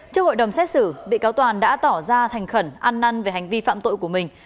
trước hội đồng xét xử bị cáo toàn đã tỏ ra thành khẩn ăn năn về hành vi phạm tội của mình